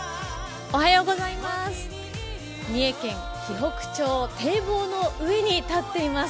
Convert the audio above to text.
三重県紀北町、堤防の上に立っています。